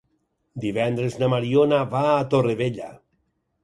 Divendres na Mariona va a Torrevella.